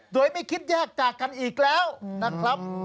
โดยไม่คิดแยกกัดกันอีกแล้วนักครั้ม